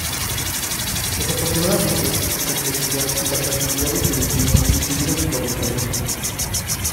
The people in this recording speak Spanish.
Desafortunadamente, su complejidad y la fragilidad de su diseño impidieron su fabricación.